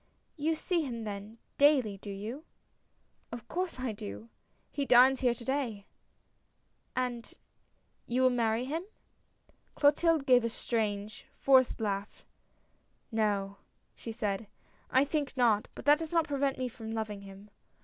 "You see him then, daily, do you?" " Of course I do ;— he dines here to day." A NEW IDEA. 91 " And — you will marry him? " Clotilde gave a strange, forced laugh. " No," she said, " I think not. But that does not pre vent me from loving him.